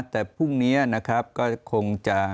แต่พรุ่งนี้นะครับก็คงจะ